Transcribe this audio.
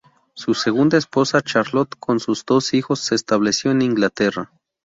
Su segunda esposa, Charlotte, con sus dos hijos, se estableció en Inglaterra.